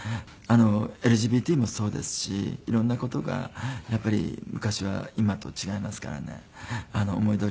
ＬＧＢＴもそうですし色んな事がやっぱり昔は今と違いますからね思いどおりにならなくって。